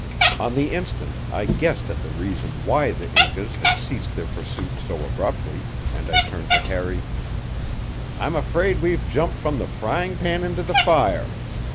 On the instant I guessed at the reason why the Incas had ceased their pursuit so abruptly, and I turned to Harry: "I'm afraid we've jumped from the frying pan into the fire.